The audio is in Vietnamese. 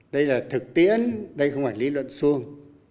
đây là thực tiễn đây không phải lý luận xuông